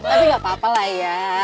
tapi gapapa lah ya